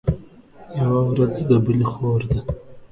يوه ورځ د بلي خور ده.